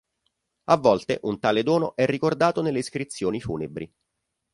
A volte, un tale dono è ricordato nelle iscrizioni funebri.